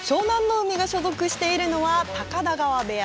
海が所属しているのは高田川部屋。